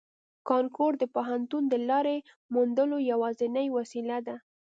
کانکور د پوهنتون د لارې موندلو یوازینۍ وسیله ده